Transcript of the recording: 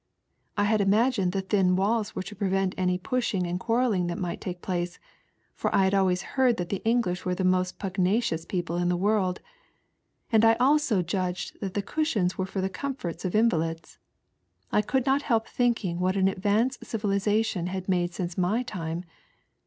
I imagined the thin walls were to prevent any pushing and quarrelling that might take place (for I had always heard that the English were the most pugnacious people in the world), and I also judged that the cushions wero for the comforts of invalids. I could not help thinking what an advance civihzation had made since my time.